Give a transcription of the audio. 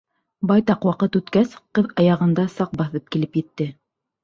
Байтаҡ ваҡыт үткәс, ҡыҙ аяғында саҡ баҫып килеп етте.